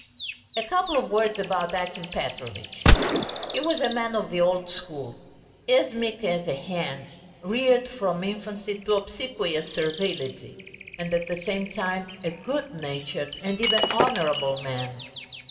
A couple of words about Akim Petrovitch. He was a man of the old school, as meek as a hen, reared from infancy to obsequious servility, and at the same time a good natured and even honourable man.